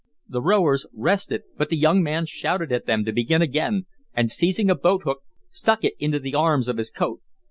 The rowers rested, but the young man shouted at them to begin again, and, seizing a boat hook, stuck it into the arms of his coat.